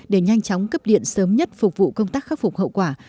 để nhanh chóng cấp điện sớm nhất phục vụ công tác khắc phục hậu quả